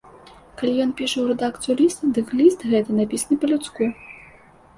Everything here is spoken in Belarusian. Калі ён піша ў рэдакцыю ліст, дык ліст гэты напісаны па-людску.